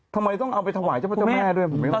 ทำไมต้องเอาไปถว่าให้เจ้าพ่อเจ้าแม่ด้วยผมไม่ต้องกิน